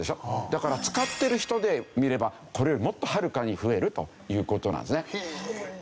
だから使ってる人で見ればこれよりもっとはるかに増えるという事なんですね。